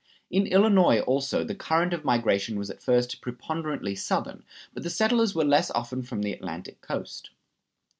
In Illinois, also, the current of migration was at first preponderantly Southern, but the settlers were less often from the Atlantic coast.